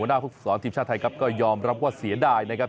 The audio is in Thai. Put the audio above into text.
หน้าฟุกศรทีมชาติไทยครับก็ยอมรับว่าเสียดายนะครับ